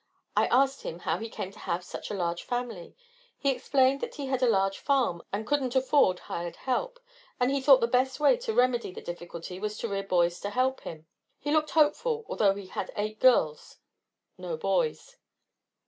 I asked him how he came to have such a large family. He explained that he had a large farm and couldn't afford hired help, and he thought the best way to remedy the difficulty was to rear boys to help him. He looked hopeful, although he had eight girls, no boys.